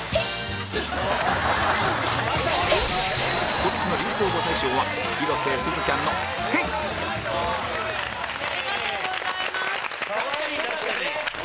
今年の流行語大賞は広瀬すずちゃんの「ヘイ」ありがとうございます！